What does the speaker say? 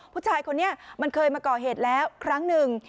ผู้ชายคนนี้มันเคยมาก่อเหตุแล้วครั้งหนึ่ง